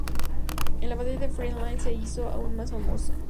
En la batalla de Friedland se hizo aún más famoso.